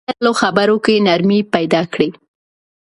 تاسو باید په خپلو خبرو کې نرمي پیدا کړئ.